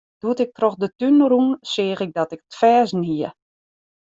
Doe't ik troch de tún rûn, seach ik dat it ferzen hie.